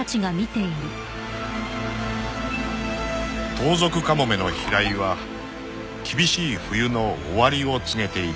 ［トウゾクカモメの飛来は厳しい冬の終わりを告げていた］